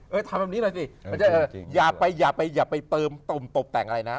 เออทำแบบนี้หน่อยสิอย่าไปเติมตบตบแต่งอะไรนะ